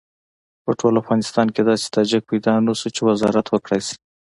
په ټول افغانستان کې داسې تاجک پیدا نه شو چې وزارت وکړای شي.